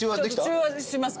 中和します